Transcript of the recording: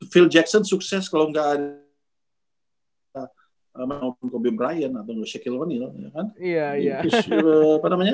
phil jackson sukses kalau gak ada kobe bryant atau shaquille o neal